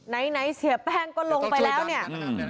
ไหนเสียแป้งก็ลงไปแล้วเนี่ย